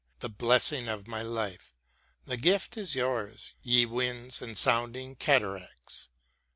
The blessing of my life j the gift is yours. Ye winds and sounding cataracts